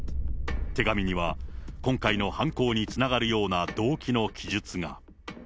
手紙には今回の犯行につながるような動機の記述が。